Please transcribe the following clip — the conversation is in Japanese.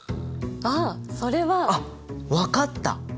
ああそれは。あっ分かった！